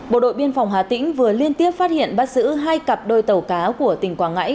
bộ đội biên phòng hà tĩnh vừa liên tiếp phát hiện bắt giữ hai cặp đôi tàu cá của tỉnh quảng ngãi